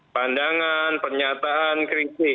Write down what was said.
pandangan pernyataan kritik